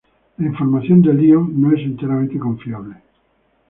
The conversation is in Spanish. La información de Lyon no es enteramente confiable.